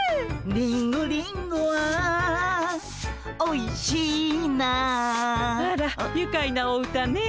「リンゴリンゴはおいしいな」あらゆかいなお歌ね。